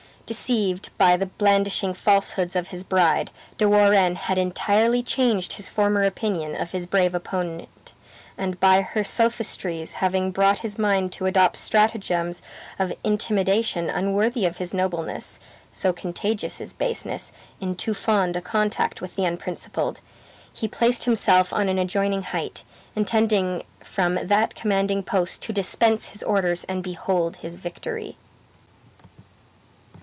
Deceived by the blandishing falsehoods of his bride, De Warenne had entirely changed his former opinion of his brave opponent, and by her sophistries having brought his mind to adopt stratagems of intimidation unworthy of his nobleness (so contagious is baseness, in too fond a contact with the unprincipled!), he placed himself on an adjoining height, intending from that commanding post to dispense his orders and behold his victory.